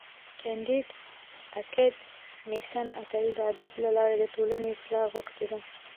کانديد اکاډميسن عطایي د ادب له لارې د ټولني اصلاح غوښتې ده.